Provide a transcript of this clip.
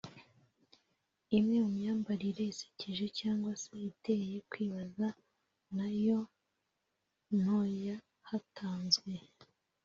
Imwe mu myambarire isekeje cyangwa se iteye kwibaza nayo ntoyahatanzwe